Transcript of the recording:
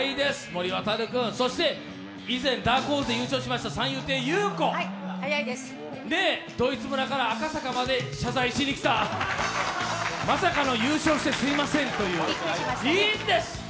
森渉君そして以前ダークホースで優勝した三遊亭遊子、ドイツ村から赤坂まで謝罪しに来た、まさかの優勝してすいませんという。